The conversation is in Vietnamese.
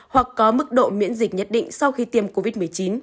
hoặc có mức độ miễn dịch nhất định sau khi tiêm covid một mươi chín